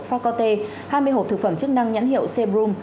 phát có tê hai mươi hộp thực phẩm chức năng nhãn hiệu sebrum